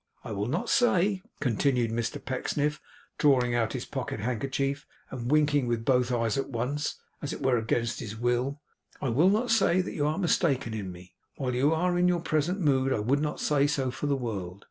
I will not say,' continued Mr Pecksniff, drawing out his pocket handkerchief, and winking with both eyes at once, as it were, against his will, 'I will not say that you are mistaken in me. While you are in your present mood I would not say so for the world.